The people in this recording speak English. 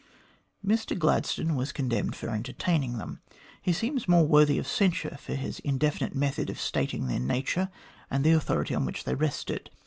Mr Glad stone was condemned for entertaining them. He seems more worthy of censure for his indefinite method of stating their nature and the authority on which they rested.